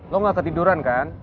lo gak ketiduran kan